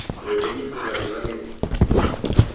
Redenyi fuw'a diw'aghe vindo.